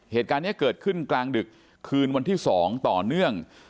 เหตุการณ์นี้เกิดขึ้นกลางดึกคืนวันที่๒ต่อเนื่อง